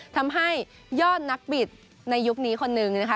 ทำให้ยอดนักบิดในยุคนี้คนนึงนะคะ